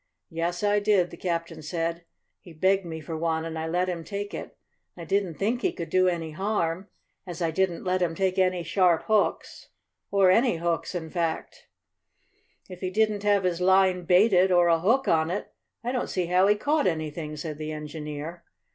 "Yes, I did," the captain said. "He begged me for one and I let him take it. I didn't think he could do any harm, as I didn't let him take any sharp hooks or any hooks, in fact." "If he didn't have his line baited, or a hook on it, I don't see how he caught anything," said the engineer.